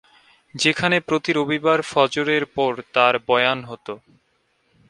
যেখানে প্রতি রবিবার ফজরের পর তার বয়ান হত।